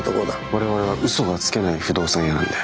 我々は嘘がつけない不動産屋さんなんで。